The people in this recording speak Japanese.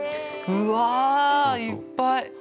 ◆うわ、いっぱい。